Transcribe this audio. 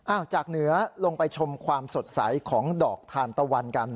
จากเหนือลงไปชมความสดใสของดอกทานตะวันกัน